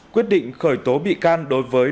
quyết định khởi tố bị can đối với